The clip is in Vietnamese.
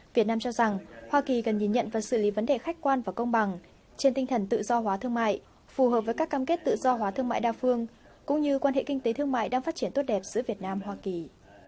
việt nam cho rằng hoa kỳ cần nhìn nhận và xử lý vấn đề khách quan và công bằng trên tinh thần tự do hóa thương mại phù hợp với các cam kết tự do hóa thương mại đa phương cũng như quan hệ kinh tế thương mại đang phát triển tốt đẹp giữa việt nam hoa kỳ